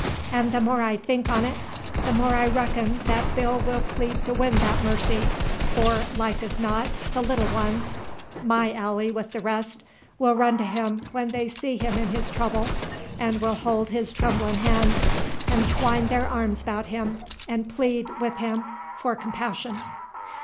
And the more I think on 't, the more I reckon that Bill will plead to win that mercy, for, like as not, the little ones my Allie with the rest will run to him when they see him in his trubble and will hold his tremblin' hands 'nd twine their arms about him, and plead, with him, for compassion.